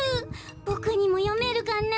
ボクにもよめるかな。